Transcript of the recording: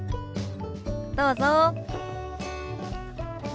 どうぞ。